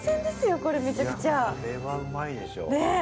これはうまいでしょう。